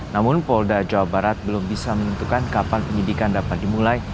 namun polda jawa barat belum bisa menentukan kapan penyidikan dapat dimulai